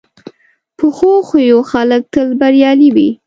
پخو خویو خلک تل بریالي وي